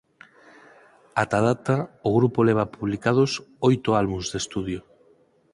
Ata a data o grupo leva publicados oito álbums de estudio.